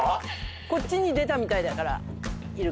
こっちに出たみたいだからイルカ。